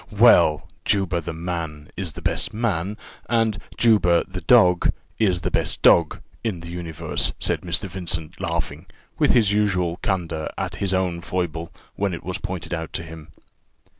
"Well! Juba, the man, is the best man and Juba, the dog, is the best dog, in the universe," said Mr. Vincent, laughing, with his usual candour, at his own foible, when it was pointed out to him.